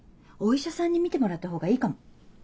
お医者さんに診てもらった方がいいかも。